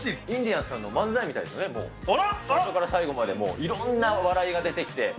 インディアンスさんの漫才みたいですね、最初から最後までいろんな笑いが出てきて。